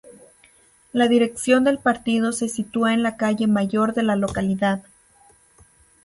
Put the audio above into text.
La dirección del partido se sitúa en la Calle Mayor de la localidad.